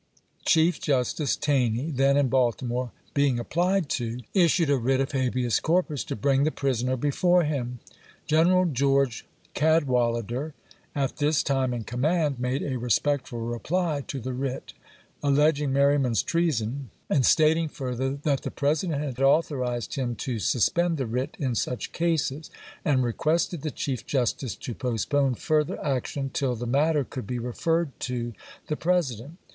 Chief samuei Justico Taucy, then in Baltimore, being applied to, ^itr of k! issued a writ of habeas corpus to bring the prisoner vv^i^u"!. before him. General Greorge Cadwalader, at this time in command, made a respectful reply to the writ, alleging Merryman's treason, and stating fur REBELLIOUS MARYLAND 175 ther that the President had authorized him to sus chap.viii, pend the writ in such cases ; and requested the Chief Justice to postpone further action till the ''^molrof^': matter could be referred to the President.